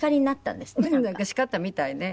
なんか叱ったみたいね。